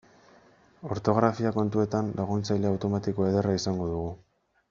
Ortografia kontuetan laguntzaile automatiko ederra izango dugu.